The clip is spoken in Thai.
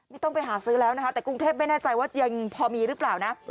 นี่ต้องไปหาซื้อแล้วนะคะแต่กรุงเทพไม่แน่ใจว่าเจียงพอมีหรือเปล่านะ